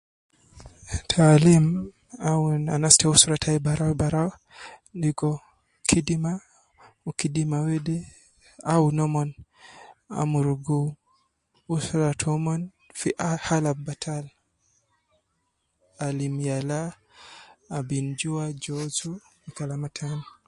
Taalim awun anas ta usra tai barau barau ligo kidima wu kidima wede awun omon amurugu usra tomon fi ah hal al batal, alim yala, abin yala jozu me Kalama tan